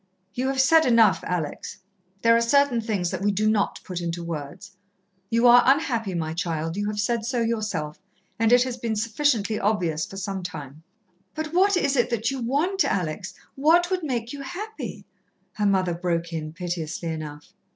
"You have said enough, Alex. There are certain things that we do not put into words.... You are unhappy, my child, you have said so yourself, and it has been sufficiently obvious for some time." "But what is it that you want, Alex? What would make you happy?" her mother broke in, piteously enough.